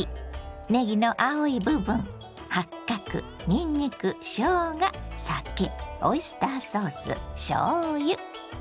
ねぎの青い部分八角にんにくしょうが酒オイスターソースしょうゆ。